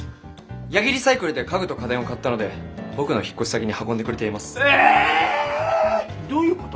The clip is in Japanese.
八木リサイクルで家具と家電を買ったので僕の引っ越し先に運んでくれています。え！？どういうこと？